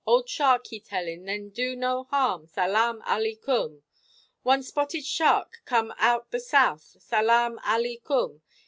Old shark, he telling, then do no harm, Salaam, Alii kum! One spotted shark come out the south, Salaam, Alii kum!